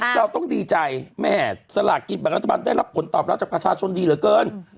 เราต้องดีใจแม่สลากกินแบ่งรัฐบาลได้รับผลตอบรับจากประชาชนดีเหลือเกิน